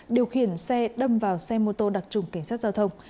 điều khiển xe đâm vào xe mô tô đặc trùm cảnh sát giao thông